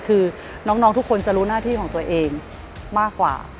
คือน้องทุกคนจะรู้หน้าที่ของตัวเองมากกว่า